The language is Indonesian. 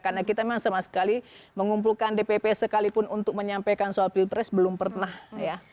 karena kita memang sama sekali mengumpulkan dpp sekalipun untuk menyampaikan soal pilpres belum pernah ya